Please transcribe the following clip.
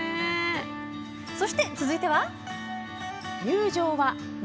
そして、続いては。